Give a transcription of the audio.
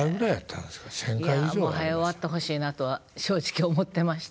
もうはよ終わってほしいなとは正直思ってましたけども。